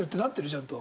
ちゃんと。